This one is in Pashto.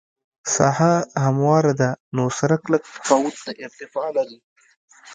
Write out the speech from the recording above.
ساحه همواره ده نو سرک لږ تفاوت د ارتفاع لري